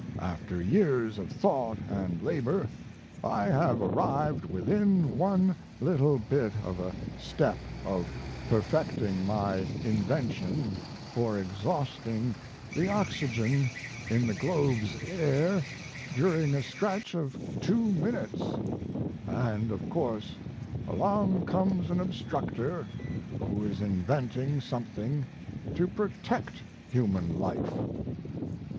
After years of thought & labor I have arrived within one little bit of a step of perfecting my invention for exhausting the oxygen in the globe's air during a stretch of two minutes, & of course along comes an obstructor who is inventing something to protect human life.